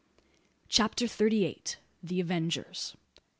CHAPTER THIRTY EIGHT. THE AVENGERS.